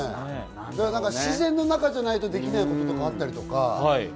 自然の中じゃないと、できないことがあったりとか。